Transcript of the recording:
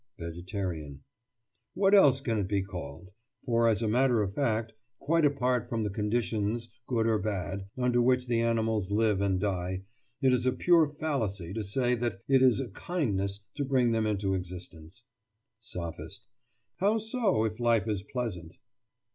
VEGETARIAN: What else can it be called? For, as a matter of fact, quite apart from the conditions, good or bad, under which the animals live and die, it is a pure fallacy to say that it is a kindness to bring them into existence. SOPHIST: How so, if life is pleasant?